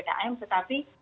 tetapi justru angka infeksinya